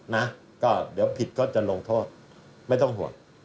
นะก็เดี๋ยวผิดก็จะลงโทษไม่ต้องห่วง